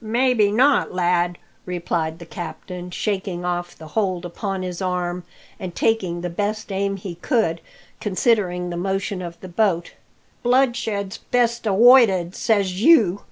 "Maybe not, lad," replied the captain, shaking off the hold upon his arm and taking the best aim he could, considering the motion of the boat. "Bloodshed's best awoided, says you.